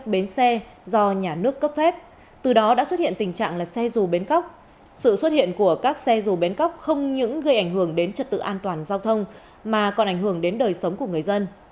các bến xe do nhà nước cấp phép từ đó đã xuất hiện tình trạng là xe dù bến cóc sự xuất hiện của các xe dù bến cóc không những gây ảnh hưởng đến trật tự an toàn giao thông mà còn ảnh hưởng đến đời sống của người dân